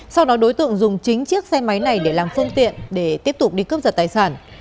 sau đó đối tượng dùng chính chiếc xe máy này để làm phương tiện để tiếp tục đi cướp giật tài sản